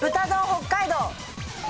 北海道。